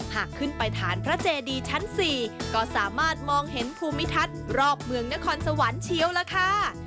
หากขึ้นไปฐานพระเจดีชั้น๔ก็สามารถมองเห็นภูมิทัศน์รอบเมืองนครสวรรค์เชียวล่ะค่ะ